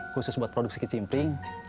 khusus buat produksi kicimpring